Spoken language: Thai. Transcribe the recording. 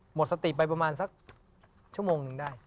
หมดสติไปประมาณสักชั่วโมงนึงได้